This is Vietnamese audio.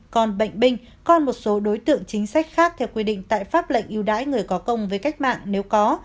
còn bệnh binh còn một số đối tượng chính sách khác theo quy định tại pháp lệnh yêu đái người có công với cách mạng nếu có